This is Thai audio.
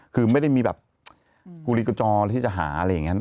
คือไม่ได้มีแบบกุลีกุจอที่จะหาอะไรอย่างนี้